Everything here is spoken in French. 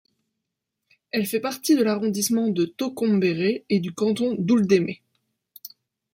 Elle fait partie de l'arrondissement de Tokombéré et du canton d'Ouldémé.